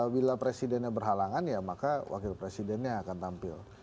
bila presidennya berhalangan ya maka wakil presidennya akan tampil